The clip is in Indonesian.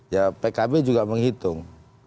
ya pkb juga menghitung